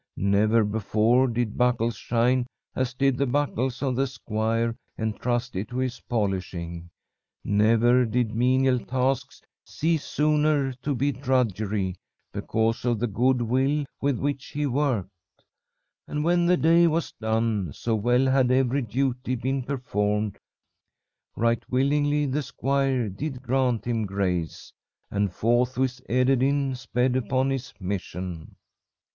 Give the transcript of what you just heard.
Never before did buckles shine as did the buckles of the squire entrusted to his polishing. Never did menial tasks cease sooner to be drudgery, because of the good will with which he worked. And when the day was done, so well had every duty been performed, right willingly the squire did grant him grace, and forthwith Ederyn sped upon his mission.